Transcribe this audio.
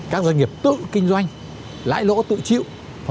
các doanh nghiệp tự kinh doanh lãi lỗ tự chịu